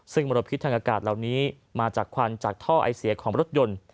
ซึ่งมลพิษทางอากาศเหล่านี้มาจากควันจากท่อไอเสียของรถยนต์